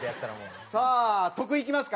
さあ徳井いきますか？